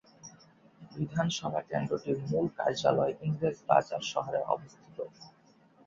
বিধানসভা কেন্দ্রটির মূল কার্যালয় ইংরেজ বাজার শহরে অবস্থিত।